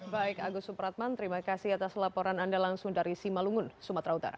baik agus supratman terima kasih atas laporan anda langsung dari simalungun sumatera utara